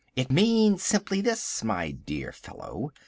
"It means simply this, my dear fellow.